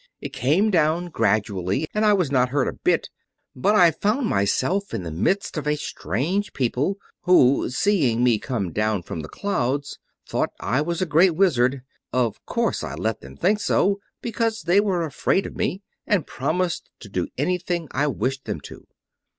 "It came down gradually, and I was not hurt a bit. But I found myself in the midst of a strange people, who, seeing me come from the clouds, thought I was a great Wizard. Of course I let them think so, because they were afraid of me, and promised to do anything I wished them to.